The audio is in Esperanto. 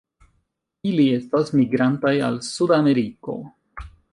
Ili estas migrantaj al Sudameriko.